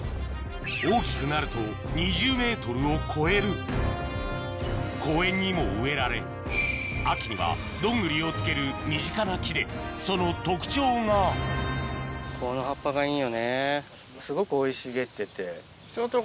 大きくなると２０ｍを超える公園にも植えられ秋にはどんぐりをつける身近な木でその特徴がいいですね。